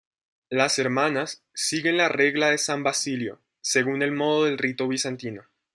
Las hermanas siguen la Regla de san Basilio, según el modo del rito bizantino.